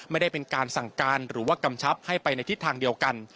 ไม่ได้เป็นการสั่งการหรือว่ากำชับให้ไปในทิศทางเดียวกัน